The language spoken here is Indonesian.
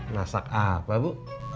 masak apa bu